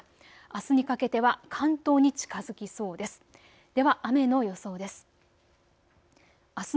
あすにかけては関東に近づきそうです。